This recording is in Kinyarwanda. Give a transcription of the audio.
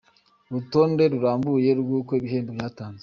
Urutonde rurambuye rw’uko ibihembo byatanzwe :.